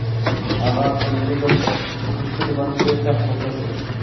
اغا په لومړي ځل پوښتلو باندې ډېر سخت غوسه شو.